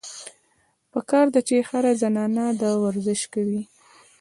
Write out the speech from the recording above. پکار ده چې هره زنانه دا ورزش کوي -